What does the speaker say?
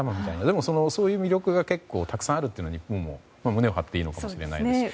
でも、そういう魅力が結構たくさんあるのは日本も胸を張っていいのかもしれないですね。